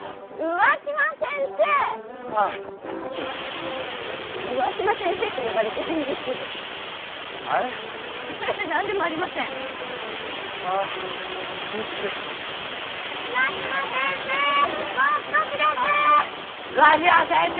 上嶋先生！